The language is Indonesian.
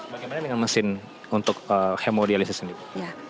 bagaimana dengan mesin untuk hemodialisis sendiri